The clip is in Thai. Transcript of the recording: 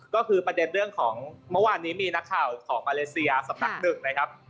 ก็คือประเด็นเรื่องของเมื่อวานนี้มีนักข่าวของมาเลเซียสำนักหนึ่งนะครับ